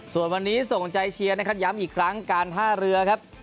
ส่วนวันนี้ส่งใจเชียร์นะครับย้ำอีกครั้งการท่าเรือครับ